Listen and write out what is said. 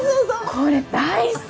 これ大好き！